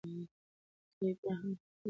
دې بیا هم هیڅ ونه ویل.